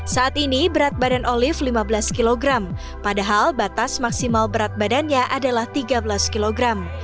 saat ini berat badan olive lima belas kg padahal batas maksimal berat badannya adalah tiga belas kg